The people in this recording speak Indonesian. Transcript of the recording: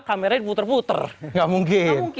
kameranya diputer puter gak mungkin